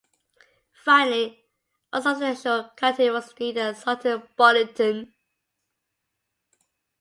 Finally a substantial cutting was needed at Sutton Bonington.